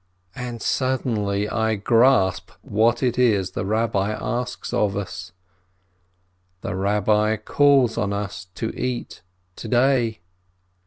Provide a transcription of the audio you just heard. And suddenly I grasp what it is the Eabbi asks of us. The Rabbi calls on us to eat, to day!